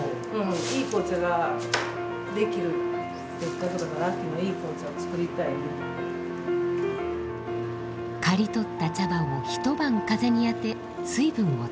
刈り取った茶葉を一晩風に当て水分を飛ばします。